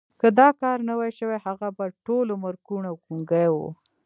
که دا کار نه وای شوی هغه به ټول عمر کوڼ او ګونګی و